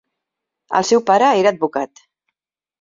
El seu pare era advocat.